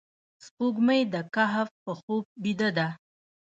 سپوږمۍ د کهف په خوب بیده ده